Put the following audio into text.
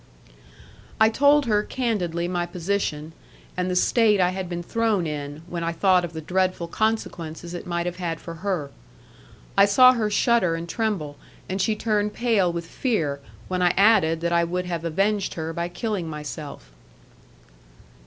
I told her candidly my position and the state I had been thrown in, when I thought of the dreadful consequences it might have had for her. I saw her shudder and tremble, and she turned pale with fear when I added that I would have avenged her by killing myself.